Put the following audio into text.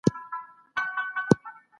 دغه کوچنی چي تاسي یې غواړئ په هټې کي نسته.